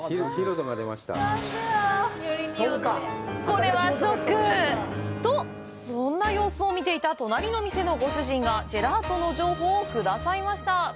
これはショック！と、そんな様子を見ていた隣の店のご主人がジェラートの情報をくださいました。